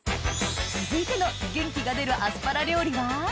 続いての元気が出るアスパラ料理は？